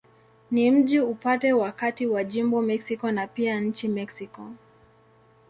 Ni mji upande wa kati ya jimbo Mexico na pia nchi Mexiko.